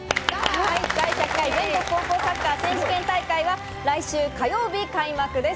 第１００代全国高校サッカー選手権大会は来週火曜日、開幕です。